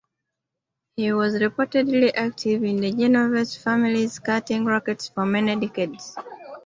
He was reportedly active in the Genovese family's carting rackets for many decades.